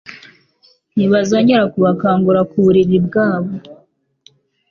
Ntibazongera kubakangura ku buriri bwabo.